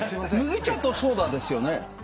麦茶とソーダです。